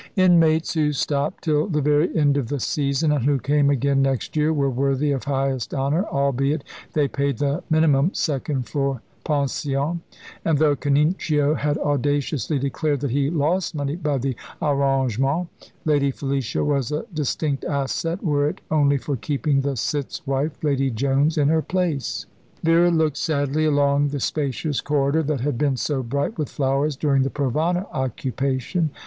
Inmates who stopped till the very end of the season, and who came again next year, were worthy of highest honour (albeit they paid the minimum second floor pension; and though Canincio had audaciously declared that he lost money by the arrangement). Lady Felicia was a distinct asset, were it only for keeping the Cit's wife, Lady Jones, in her place. Vera looked sadly along the spacious corridor, that had been so bright with flowers during the Provana occupation.